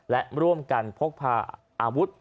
และร่วมกันพกพาอาวุธ